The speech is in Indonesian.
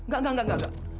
gak gak gak